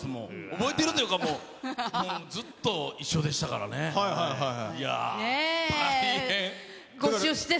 覚えてるというか、もうずっと一緒でしたからね。ねぇ。